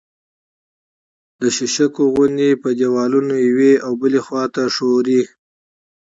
د شیشکو غوندې په دېوالونو یوې او بلې خوا ته ښوري